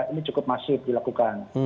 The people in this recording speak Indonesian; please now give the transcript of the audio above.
ini cukup masif dilakukan